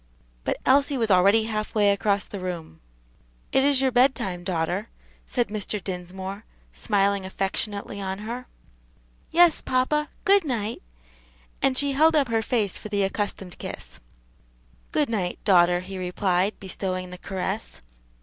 But Elsie was already half way across the room. "It is your bedtime, daughter," said Mr. Dinsmore, smiling affectionately on her. "Yes, papa; good night," and she held up her face for the accustomed kiss. "Good night, daughter," he replied, bestowing the caress.